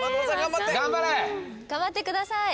・頑張ってください。